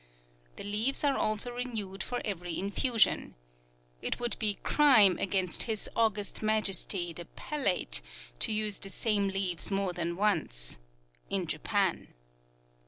The leaves are also renewed for every infusion. It would be crime against his August Majesty, the Palate, to use the same leaves more than once in Japan.